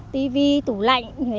tivi tủ lạnh